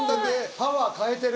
パワー変えてる。